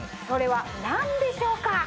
それは何でしょうか？